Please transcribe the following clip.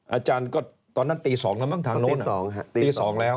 อาจารย์ก็ตอนนั้นตี๒แล้วมั้งทางโน้นตี๒แล้ว